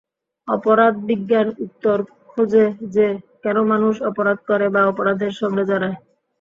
অপরাধবিজ্ঞান উত্তর খোঁজে যে কেন মানুষ অপরাধ করে বা অপরাধের সঙ্গে জড়ায়?